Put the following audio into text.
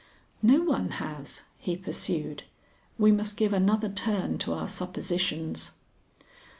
"No one has," he pursued. "We must give another turn to our suppositions."